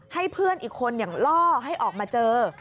ให้เพื่อนอีกคนล่อให้ออกมาเจอ